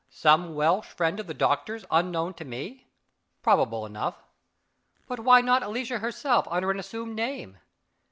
Some Welsh friend of the doctor's, unknown to me? Probably enough. But why not Alicia herself under an assumed name?